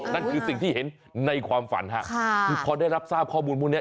นั่นคือสิ่งที่เห็นในความฝันฮะคือพอได้รับทราบข้อมูลพวกนี้